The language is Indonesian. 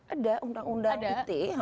ada undang undang it